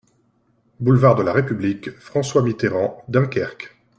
Boulevard de la République - François Mitterrand, Dunkerque